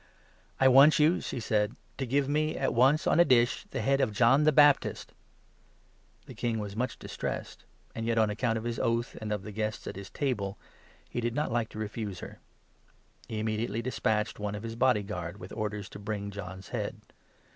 'I want you,' she said, 'to give me at once, on a dish, the head of John the Baptist. ' The King was 26 much distressed ; yet, on account of his oath and of the guests at his table, he did not like to refuse her. He immediately 27 despatched one of his bodyguard, with orders to bring John's head.